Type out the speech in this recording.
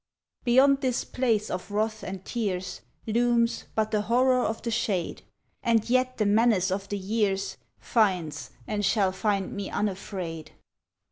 Beyond this place of wrath and tears Looms but the Horror of the shade, And yet the menace of the years Finds and shall find me unafraid.